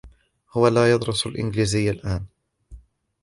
هو لا يدرس الإنجليزية الآن.